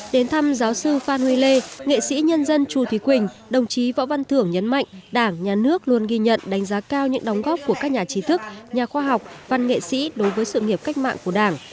đến thăm giáo sư phan huy lê nghệ sĩ nhân dân chu thế quỳnh đồng chí võ văn thưởng nhấn mạnh đảng nhà nước luôn ghi nhận đánh giá cao những đóng góp của các nhà trí thức nhà khoa học văn nghệ sĩ đối với sự nghiệp cách mạng của đảng